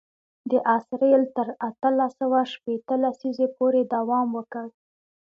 د آس رېل تر اتلس سوه شپېته لسیزې پورې دوام وکړ.